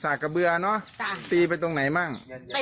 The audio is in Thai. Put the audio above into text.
สากระเบื่อตีไปตรงไหนมั่ง